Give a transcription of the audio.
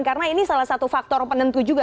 karena ini salah satu faktor penentu juga